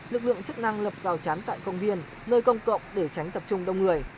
lực lượng chức năng lập rào chắn tại công viên nơi công cộng để tránh tập trung đông người